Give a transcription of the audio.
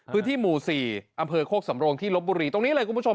พื้นที่หมู่๔อำเภอโฆษธ์สำโรงที่ลบบุรี